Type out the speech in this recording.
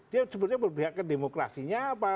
dia sebetulnya berpihak ke demokrasinya